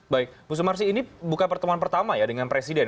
baik bu sumarsi ini bukan pertemuan pertama ya dengan presiden